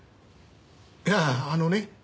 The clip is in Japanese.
いやあのね